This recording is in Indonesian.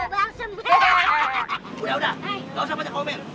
udah udah ga usah banyak komen